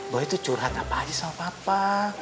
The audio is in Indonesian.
bahwa itu curhat apa aja sama papa